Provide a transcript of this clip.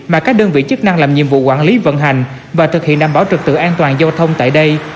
mà các đơn vị chức năng làm nhiệm vụ quản lý vận hành và thực hiện đảm bảo trực tự an toàn giao thông tại đây